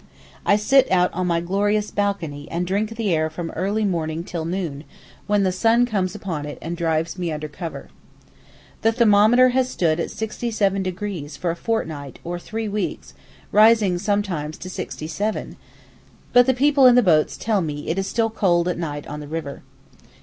I sit out on my glorious balcony and drink the air from early morning till noon, when the sun comes upon it and drives me under cover. The thermometer has stood at 64° for a fortnight or three weeks, rising sometimes to 67°, but people in the boats tell me it is still cold at night on the river.